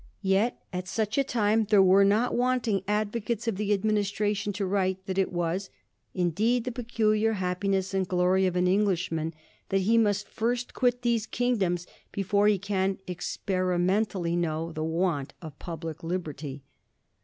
Yet at such a time there were not wanting advocates of the ad ministration to write that it was ' indeed the peculiar happiness and glory of an Englishman that he must &st quit these kingdoms before he can experimentally know the want of public liberty.'